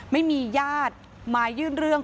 ไม่มีญาติมายื่นเรื่อง